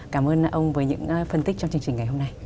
cảm ơn ông với những phân tích trong chương trình ngày hôm nay